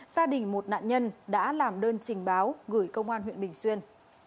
gia đình một nạn nhân đã làm đơn trình báo gửi công an huyện bình xuyên